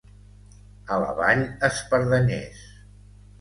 A la Vall, espardenyers.